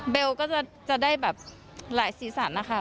ก็จะได้แบบหลายสีสันนะคะ